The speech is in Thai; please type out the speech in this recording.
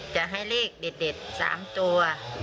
จะให้เลขเด็ด๓ตัว